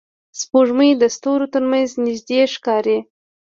سپوږمۍ د ستورو تر منځ نږدې ښکاري